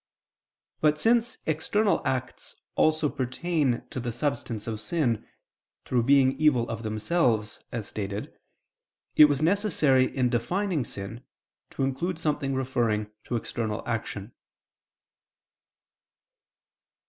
But since external acts also pertain to the substance of sin, through being evil of themselves, as stated, it was necessary in defining sin to include something referring to external action.